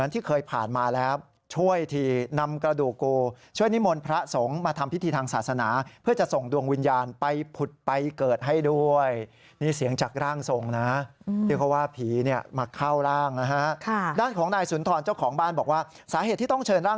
ต่อไปคุณกูจะไม่มาหลอกหลอน